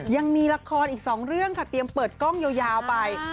ยังมีละครอีกสองเรื่องค่ะเตรียมเปิดกล้องยาวไป